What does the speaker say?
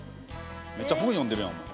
めっちゃ本読んでるやんお前。